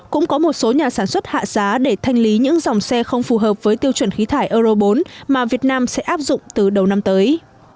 cũng có một số nhà sản xuất hạ giá để thanh lý những dòng xe không phù hợp với tiêu chuẩn khí thải euro bốn mà việt nam sẽ áp dụng từ đầu năm tới